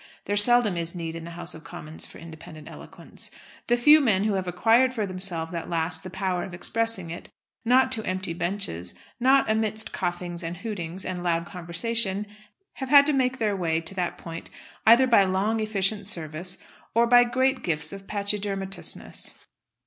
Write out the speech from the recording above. There seldom is need in the House of Commons for independent eloquence. The few men who have acquired for themselves at last the power of expressing it, not to empty benches, not amidst coughings and hootings, and loud conversation, have had to make their way to that point either by long efficient service or by great gifts of pachydermatousness.